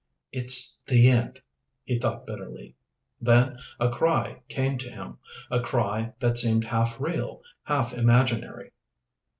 "It's the end," he thought bitterly. Then a cry came to him, a cry that seemed half real, half imaginary.